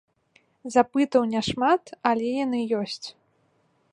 Запытаў няшмат, але яны ёсць.